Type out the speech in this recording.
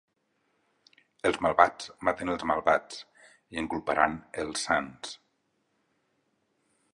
Els malvats maten els malvats, i en culparan els sants.